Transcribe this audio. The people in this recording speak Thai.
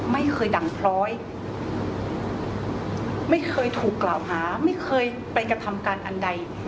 ไม่เคยดั่งคล้อยไม่เคยถูกกล่าวหาไม่เคยไปกระทำการอันใด